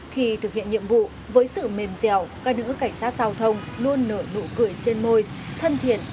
khi thực hiện nhiệm vụ với sự mềm dẻo các nữ cảnh sát giao thông luôn nở nụ cười trên môi thân thiện